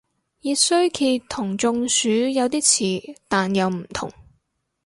熱衰竭同中暑有啲似但又唔同